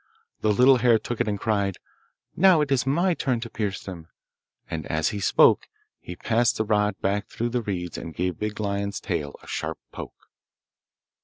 The little hare took it and cried, 'Now it is my turn to pierce them,' and as he spoke he passed the rod back through the reeds and gave Big Lion's tail a sharp poke.